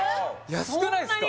安くないっすか？